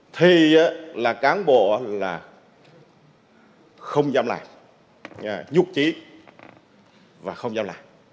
thì là cán bộ là không dám làm nhục trí và không dám làm